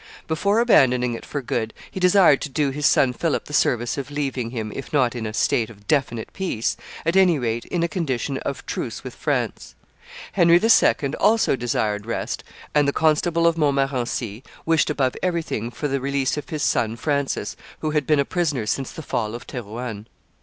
Before abandoning it for good, he desired to do his son Philip the service of leaving him, if not in a state of definite peace, at any rate in a condition of truce with France. Henry II. also desired rest; and the Constable de Montmorency wished above everything for the release of his son Francis, who had been a prisoner since the fall of Thorouanne.